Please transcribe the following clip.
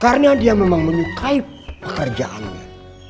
karena dia memang menyukai pekerjaannya